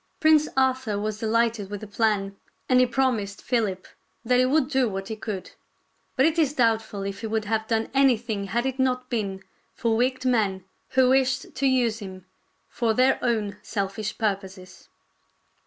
Prince Arthur was delighted with the plan, and he promised Philip that he would do what he could. But it is doubtful if he would have done anything had it not been for wicked men who wished to use him for their own selfish purposes.